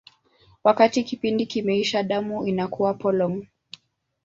Wakati kipindi kimeisha, damu inakuwa polong.